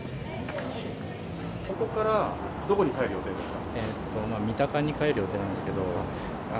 ここからどこに帰る予定ですか？